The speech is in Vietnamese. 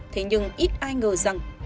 thế nhưng ít ai ngờ rằng